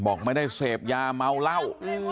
บอกไม่ได้เสพยาเมาเหล้า